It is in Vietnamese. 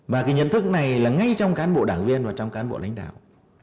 và cái nhận thức này là ngay trong cán bộ đảng viên và trong cán bộ lãnh đạo